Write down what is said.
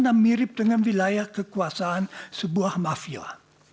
dan mirip dengan wilayah kekuasaan sebuah mafia